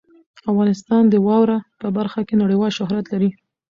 افغانستان د واوره په برخه کې نړیوال شهرت لري.